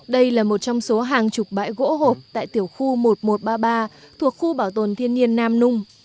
đây là một trong số hàng chục bãi gỗ hộp tại tiểu khu một nghìn một trăm ba mươi ba thuộc khu bảo tồn thiên nhiên nam nung